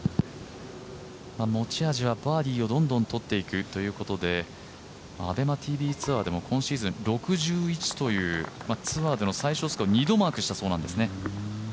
持ち味はバーディーをどんどん取っていくということでＡｂｅｍａＴＶツアーでも今シーズン６１というツアーでの最少スコアを二度マークしたそうなんですね。